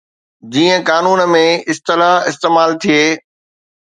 جيئن قانون ۾ اصطلاح استعمال ٿئي.